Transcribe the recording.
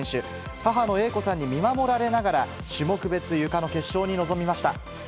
母の英子さんに見守られながら、種目別、ゆかの決勝に臨みました。